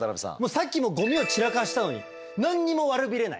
さっきもゴミを散らかしたのに何にも悪びれない。